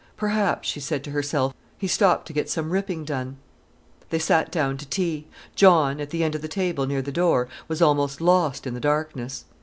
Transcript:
"Perhaps," she said to herself, "he's stopped to get some ripping done." They sat down to tea. John, at the end of the table near the door, was almost lost in the darkness.